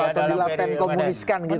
atau dilapten komuniskan gitu